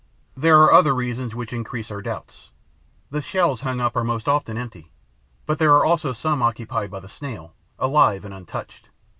There are other reasons which increase our doubts. The shells hung up are most often empty; but there are also some occupied by the Snail, alive and untouched.